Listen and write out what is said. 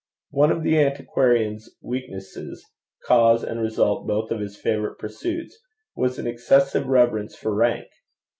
One of the antiquarian's weaknesses, cause and result both of his favourite pursuits, was an excessive reverence for rank.